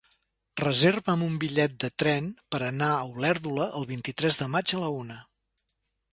Reserva'm un bitllet de tren per anar a Olèrdola el vint-i-tres de maig a la una.